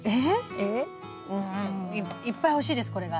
うんいっぱい欲しいですこれが。